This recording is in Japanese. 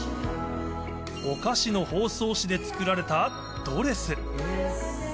お菓子の包装紙で作られたドレス。